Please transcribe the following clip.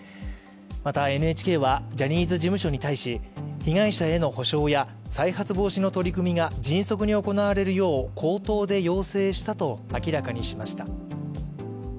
また、ＮＨＫはジャニーズ事務所に対し、被害者への補償や再発防止の取り組みが迅速に行われるよう口頭で要請したと明らかにしました。